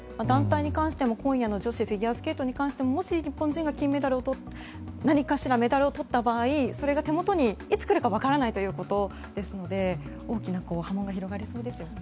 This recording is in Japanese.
団体に関しても今夜の女子フィギュアスケートに関してももし、日本人が何かしらメダルをとった場合それが手元に、いつ来るか分からないということですので大きな波紋が広がりそうです。